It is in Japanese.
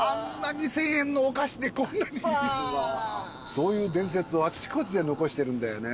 そういう伝説をあちこちで残してるんだよね。